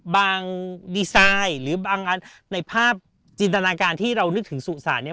บางดีไซน์หรือบางในภาพจินตนาการที่เรานึกถึงสูตรศาสตร์เนี่ย